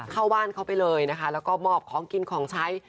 เข้าบ้านเขาไปเลยนะคะแล้วก็มอบของกินของใช้